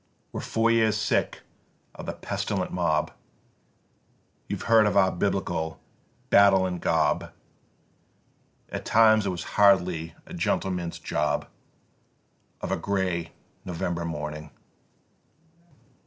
We're four years sick of the pestilent mob; You've heard of our biblical Battle in Gob? At times it was hardly a gentleman's job Of a grey November morning."